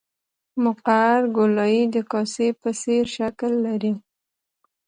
مقعر ګولایي د کاسې په څېر شکل لري